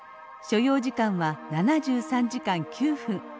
所要時間は７３時間９分。